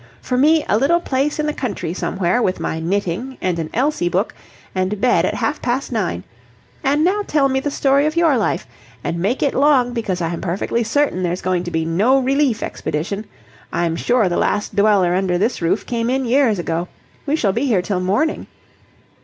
For me, a little place in the country somewhere, with my knitting and an Elsie book, and bed at half past nine! And now tell me the story of your life. And make it long because I'm perfectly certain there's going to be no relief expedition. I'm sure the last dweller under this roof came in years ago. We shall be here till morning."